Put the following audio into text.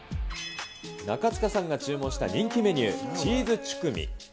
中務さんが注文した人気メニュー、チーズチュクミ。